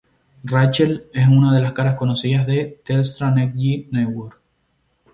Rachael es una de las caras conocidas de "Telstra Next G network".